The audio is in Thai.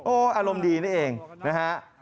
อารมณ์ดีนี่เองนะฮะ